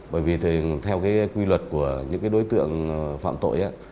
bởi vì theo quy luật của những đối tượng phạm tội